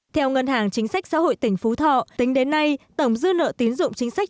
theo ngân hàng chính sách xã hội tỉnh phú thọ tính đến nay tổng dư nợ tín dụng chính sách